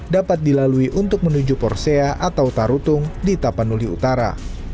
dapat dilalui untuk menuju porsea atau tarutung di tapanuli utara